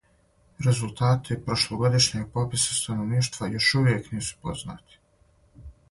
Резултати прошлогодишњег пописа становништва још увијек нису познати.